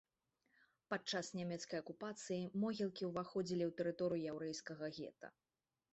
Падчас нямецкай акупацыі могілкі ўваходзілі ў тэрыторыю яўрэйскага гета.